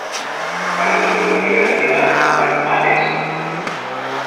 para devolverle la vida a Palomares?